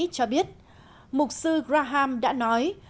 cho biết mục sư graham đã nói